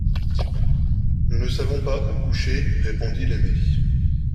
Nous ne savons pas où coucher, répondit l’aîné.